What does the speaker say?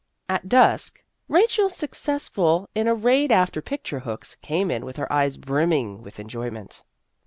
At dusk, Rachel, successful in a raid after picture hooks, came in with her eyes brimming with enjoyment.